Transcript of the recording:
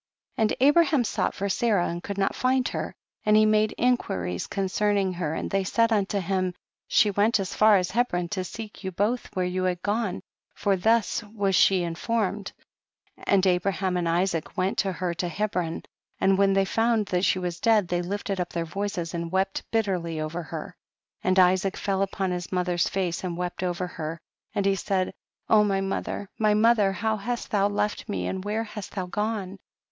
88. And Abraham sought for Sa rah, and could not find her, and he made inquiries concerning her, and they said unto him, she went as far as Hebron to seek you both where you had gone, for thus was she in formed. 89. And Abraham and Isaac went to her to Hebron, and when they found that she was dead they lifted up their voices and wept bitterly over her; and Isaac fell upon his mother's face and wept over her, and he said, O my mother, my mother, how hast thou left me, and where hast thou gone